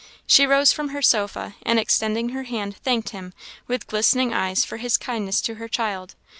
She rose from her sofa, and extending her hand, thanked him, with glistening eyes, for his kindness to her child.